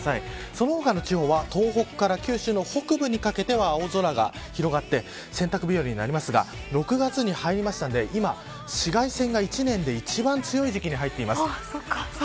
その他の地方は東北から九州の北部にかけては青空が広がって洗濯日和になりますが６月に入りましたので今紫外線が１年で一番強い時期に入っています。